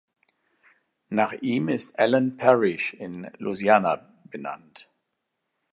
Nach ihm ist Allen Parish in Louisiana benannt.